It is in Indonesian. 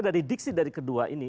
dari diksi dari kedua ini